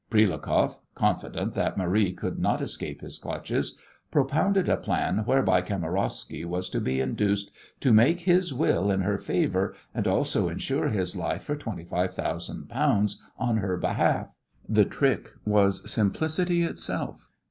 Prilukoff, confident that Marie could not escape his clutches, propounded a plan whereby Kamarowsky was to be induced to make his will in her favour and also insure his life for £25,000 on her behalf. The trick was simplicity itself.